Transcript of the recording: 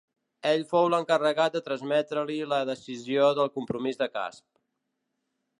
Ell fou l'encarregat de transmetre-li la decisió del compromís de Casp.